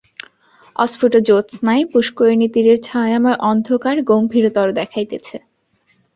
অস্ফুট জ্যোৎস্নায় পুষ্করিণীতীরের ছায়াময় অন্ধকার গম্ভীরতর দেখাইতেছে।